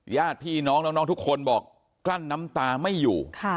ญาติพี่น้องน้องทุกคนบอกกลั้นน้ำตาไม่อยู่